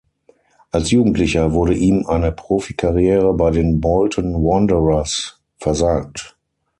Als Jugendlicher wurde ihm eine Profikarriere bei den Bolton Wanderers versagt.